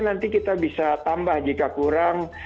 nanti kita bisa tambah jika kurang